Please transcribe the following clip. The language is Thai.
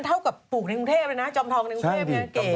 ถ้านั้นใช่ไหม